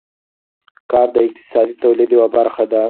کار د اقتصادي تولید یوه برخه ده.